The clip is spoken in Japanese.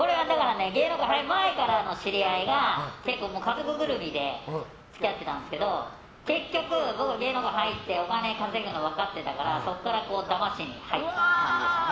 芸能界入る前からの知り合いが結構、家族ぐるみで付き合ってたんですけど結局、僕、芸能界に入ってお金稼ぐの分かってたからそこからだましに入っちゃったんですね。